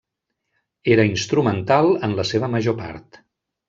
Era instrumental en la seva major part.